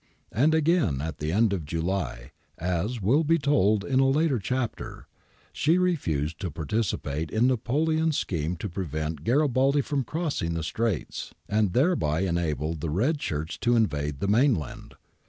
^ And again at the end of July, as will be told in a later chapter, she refused to participate in Napoleon's scheme to prevent Garibaldi from crossing the straits, and thereby enabled the red shirts to invade the mainland.